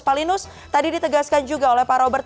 pak linus tadi ditegaskan juga oleh pak robert